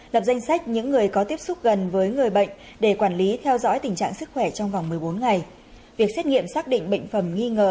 lập danh sách những người có tiếp xúc gần với người bệnh để quản lý theo dõi tình trạng sức khỏe trong vòng một mươi bốn ngày